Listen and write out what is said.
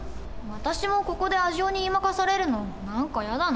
私もここでアジオに言い負かされるの何か嫌だな。